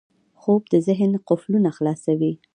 خوب د ذهن قفلونه خلاصوي